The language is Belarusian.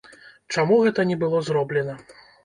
Чаму гэта не было зроблена?